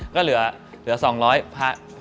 ก็เหลือ๒๐๐บาท